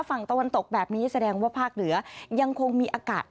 ฝั่งตะวันตกแบบนี้แสดงว่าภาคเหนือยังคงมีอากาศ